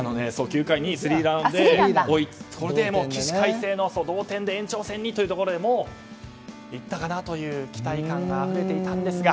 ９回にスリーランで起死回生の同点延長戦にというところでいったかなという期待感があふれていたんですが。